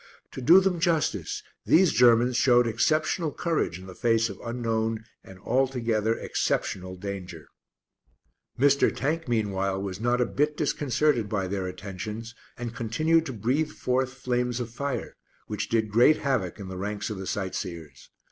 To do them justice, these Germans showed exceptional courage in the face of unknown and altogether exceptional danger. Mr. Tank meanwhile was not a bit disconcerted by their attentions, and continued to breathe forth flames of fire, which did great havoc in the ranks of the sightseers.